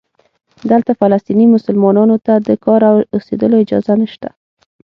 دلته فلسطینی مسلمانانو ته د کار او اوسېدلو اجازه نشته.